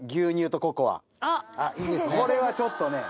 これはちょっとね。